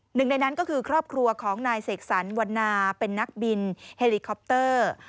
หนึ่งในนั้นก็คือครอบครัวของนายเสกสรรวันนาเป็นนักบินเฮลิคอปเตอร์